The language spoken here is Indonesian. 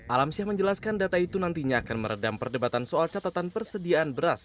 alamsyah menjelaskan data itu nantinya akan meredam perdebatan soal catatan persediaan beras